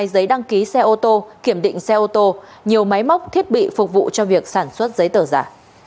hai giấy đăng ký xe ô tô kiểm định xe ô tô nhiều máy móc thiết bị phục vụ cho việc sản xuất giấy tờ giả